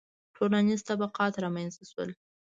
• ټولنیز طبقات رامنځته شول.